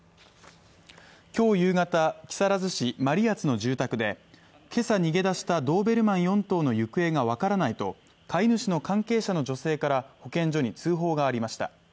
今日夕方、木更津市真里谷の住宅で今朝逃げ出したドーベルマン４頭の行方が分からないと飼い主の関係者の女性から保健所に通報がありました。